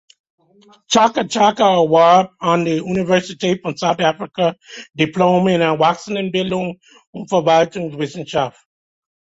Chaka Chaka erwarb an der University of South Africa Diplome in Erwachsenenbildung und Verwaltungswissenschaft.